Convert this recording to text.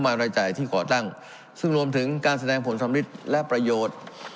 รายจ่ายที่ก่อตั้งซึ่งรวมถึงการแสดงผลสำริดและประโยชน์